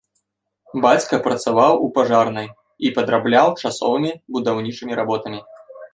Бацька працаваў у пажарнай і падрабляў часовымі будаўнічымі работамі.